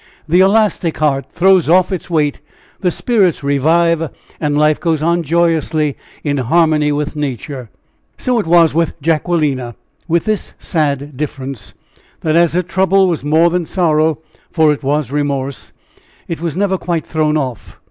The elastic heart throws off its weight, the spirits revive, and life goes on joyously in harmony with nature. So it was with Jacquelina, with this sad difference, that as her trouble was more than sorrow for it was remorse it was never quite thrown off.